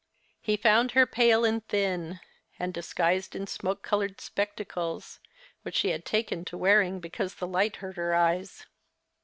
He found her pale and thin, and disguised in smoke coloured spectacles, which she had taken to wearing because the light hurt her eyes.